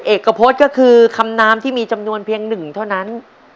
เอกพจน์ก็คือคำน้ำที่มีจำนวนเพียงหนึ่งเท่านั้น